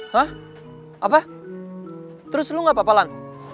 hah apa terus lo gapapa lan